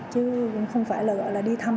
chứ không phải là gọi là đi thăm